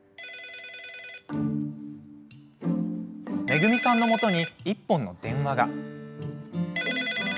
めぐみさんのもとに１本の電話が。